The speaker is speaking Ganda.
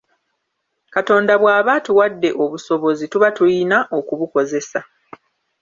Katonda bw'aba atuwadde obusobozi tuba tuyina okubukozesa.